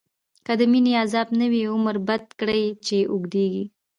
که د مینی عذاب نه وی، عمر بد کړی چی اوږدیږی